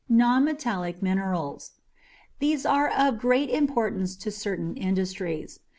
NONMETALLIC MINERALS. These are of great importance to certain industries.